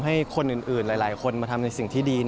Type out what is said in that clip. ให้คนอื่นหลายคนมาทำในสิ่งที่ดี